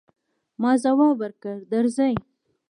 ما ځواب ورکړ، درځئ.